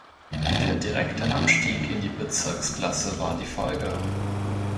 Der direkte Abstieg in die Bezirksklasse war die Folge.